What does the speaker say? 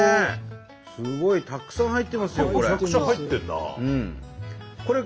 すごいたくさん入ってますよこれ。